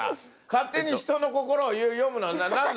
勝手に人の心を読むのは何だ？